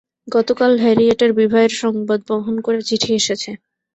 গতকাল হ্যারিয়েটের বিবাহের সংবাদ বহন করে চিঠি এসেছে।